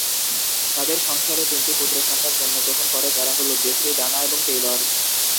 তাদের সংসারে তিনটি পুত্র সন্তান জন্মগ্রহণ করে, তারা হল জেফ্রি, ডানা এবং টেইলর।